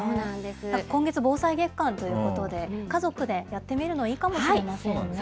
今月、防災月間ということで、家族でやってみるの、いいかもしれませんね。